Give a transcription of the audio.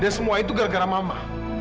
dan semua itu gara gara mama